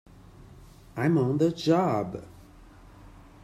I'm on the job!